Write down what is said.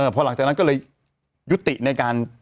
พอหลังจากนั้นก็เลยยุติในการ